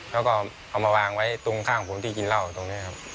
เขาก็เอามาวางไว้ตรงข้างผมที่กินเหล้าตรงนี้ครับ